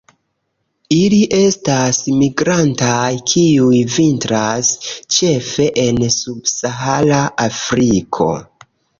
Ili estas migrantaj, kiuj vintras ĉefe en subsahara Afriko.